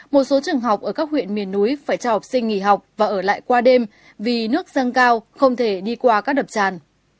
một số trường học ở các huyện miền núi phải cho học sinh nghỉ học và ở lại qua đêm vì nước dâng cao không thể đi qua các đập tràn